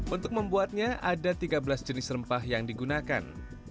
untuk membuatnya ada tiga belas jenis rempah yang digunakan